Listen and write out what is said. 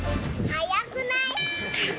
早くなーい？